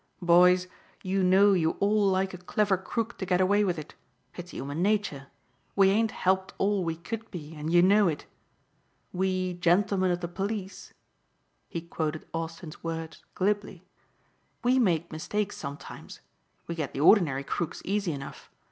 Boys, you know you all like a clever crook to get away with it. It's human nature. We ain't helped all we could be and you know it. We, 'gentlemen of the police,'" he quoted Austin's words glibly, "we make mistakes sometimes. We get the ordinary crook easy enough.